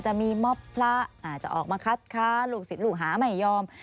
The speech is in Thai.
จะมีมอบพระอาจจะออกมาคัดค้าลูกศิษย์ลูกหาไม่ยอม